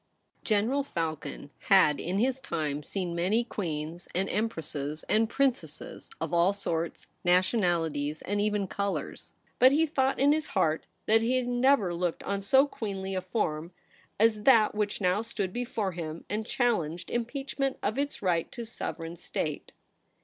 General Falcon had in his time seen many queens and empresses, and princesses of all sorts, nationalities, and even colours ; but he thought in his heart that he had never looked on so queenly a form as that which now stood before him and challenged impeachment of its right to sovereign state.